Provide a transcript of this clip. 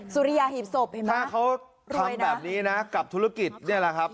สุริยาหีบศพเห็นไหมถ้าเขาทำแบบนี้นะกับธุรกิจนี่แหละครับ